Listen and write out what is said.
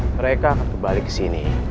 mereka akan kebalik kesini